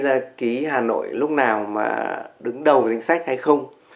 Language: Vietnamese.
thì nó lại là thời tiết nó gây ra ký hà nội lúc nào đứng đầu danh sách hay không